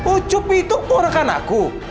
ucup itu bukan rekan aku